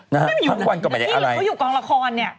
น่ฮะเหมือนไงก็ไปทางอะไรหนุ่มผมอยู่กองละครนี่